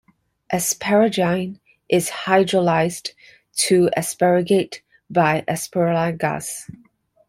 Asparagine is hydrolyzed to aspartate by asparaginase.